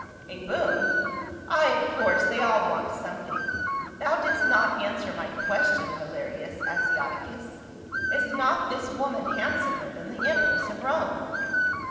"A boon ? Ay, of course, they all want something. Thou didst not answer my question, Valerius Asiati cus. Is not this woman handsomer than the empress of Rome